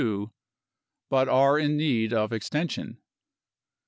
1972) but are in need of extension.